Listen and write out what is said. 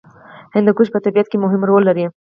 هندوکش په طبیعت کې مهم رول لري.